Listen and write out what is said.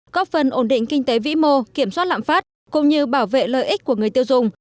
góp phần ổn định kinh tế vĩ mô kiểm soát lạm phát cũng như bảo vệ lợi ích của người tiêu dùng